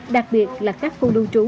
đặc biệt là các khu lưu trú